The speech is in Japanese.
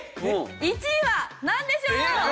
「１位はなんでしょう？」